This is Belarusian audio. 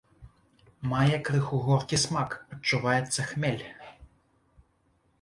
Мае крыху горкі смак, адчуваецца хмель.